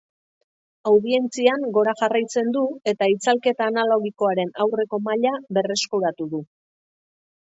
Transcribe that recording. Audientzian gora jarraitzen du eta itzalketa analogikoaren aurreko maila berreskuratu du.